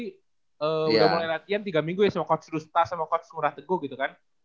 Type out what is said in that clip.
udah mulai latihan tiga minggu ya sama coach rusta sama coach muratego gitu kan